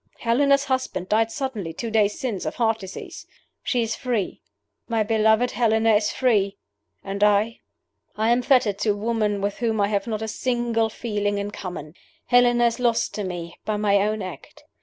Helena's husband died suddenly two days since of heart disease. She is free my beloved Helena is free! And I? "I am fettered to a woman with whom I have not a single feeling in common. Helena is lost to me, by my own act.